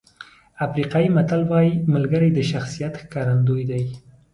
افریقایي متل وایي ملګري د شخصیت ښکارندوی دي.